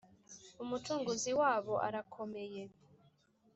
Umucunguzi wabo arakomeye